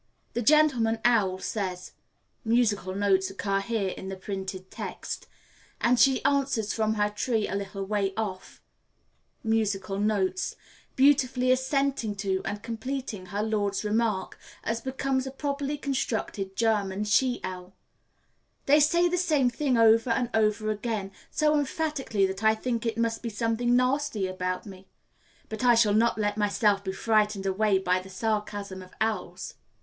The gentleman owl says [[musical notes occur here in the printed text]], and she answers from her tree a little way off, [[musical notes]], beautifully assenting to and completing her lord's remark, as becomes a properly constructed German she owl. They say the same thing over and over again so emphatically that I think it must be something nasty about me; but I shall not let myself be frightened away by the sarcasm of owls.